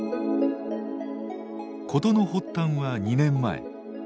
事の発端は２年前。